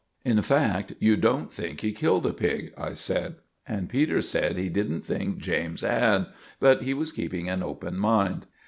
"In fact, you don't think he killed the pig," I said. And Peters said he didn't think James had; but he was keeping an open mind.